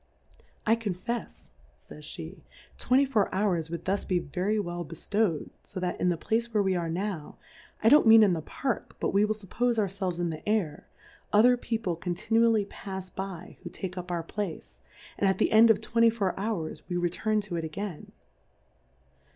I confefs, [ays ^ej twenty four Houi^s would thus be very well bcliowM, fo that in the Place where we are now, I don'^t mean in the Park, but we will fuppofe our felves in the Air, other People con tinually pafs by who take up our Place, and at the End of twenty four Hours we return to it again.